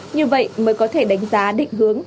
như vậy mới có thể đánh giá định hướng